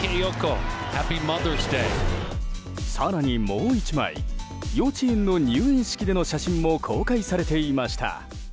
更にもう１枚幼稚園の入園式での写真も公開されていました。